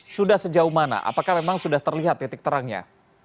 sudah sejauh mana apakah memang sudah terlihat titik terangnya